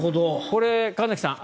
これ、神崎さん